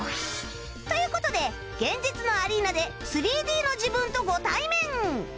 という事で現実のアリーナで ３Ｄ の自分とご対面